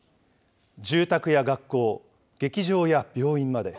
住宅や学校、劇場や病院まで。